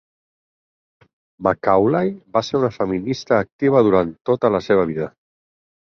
Macaulay va ser una feminista activa durant tota la seva vida.